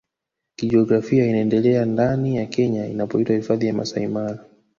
Kijiografia inaendelea ndani ya Kenya inapoitwa Hifadhi ya Masai Mara